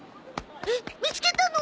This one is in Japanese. えっ見つけたの？